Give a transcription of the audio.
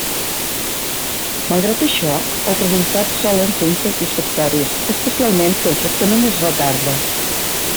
Malgrat això, els resultats solen ser insatisfactoris, especialment si el tractament es retarda.